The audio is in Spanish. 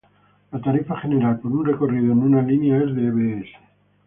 La tarifa general por un recorrido en una línea es de Bs.